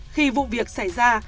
khi vụ việc xảy ra